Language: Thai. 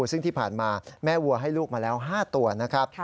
ซึ่งที่ผ่านมาแม่วัวให้ลูกมาแล้ว๕ตัวนะครับ